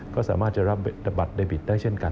ก็สามารถจะรับบัตรเดบิตได้เช่นกัน